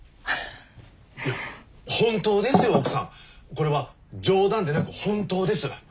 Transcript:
これは冗談でなく本当です。